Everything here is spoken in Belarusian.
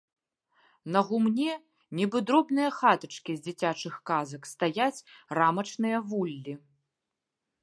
На гумне, нібы дробныя хатачкі з дзіцячых казак, стаяць рамачныя вуллі.